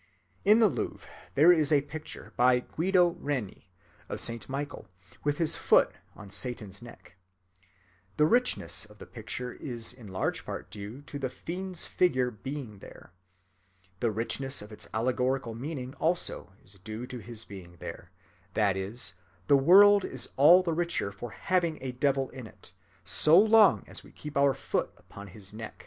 In the Louvre there is a picture, by Guido Reni, of St. Michael with his foot on Satan's neck. The richness of the picture is in large part due to the fiend's figure being there. The richness of its allegorical meaning also is due to his being there—that is, the world is all the richer for having a devil in it, so long as we keep our foot upon his neck.